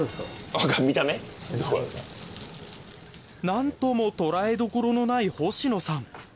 なんとも捉えどころのない星野さん。